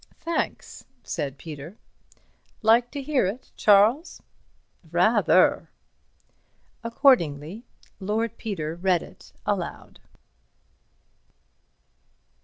"Thanks," said Peter. "Like to hear it, Charles?" "Rather." Accordingly Lord Peter read it aloud.